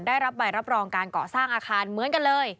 ได้รับใบรับรองการเกาะสร้างอาคารเหมือนกันเลย